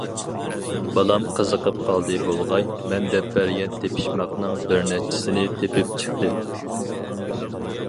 بالام قىزىقىپ قالدى بولغاي، مەن دەپ بەرگەن تېپىشماقنىڭ بىر نەچچىسىنى تېپىپ چىقتى.